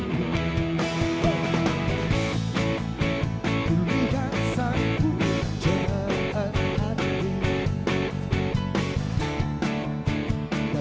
kembali ke bumiku sayang